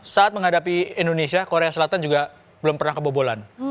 saat menghadapi indonesia korea selatan juga belum pernah kebobolan